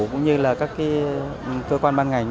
cũng như là các cơ quan ban ngành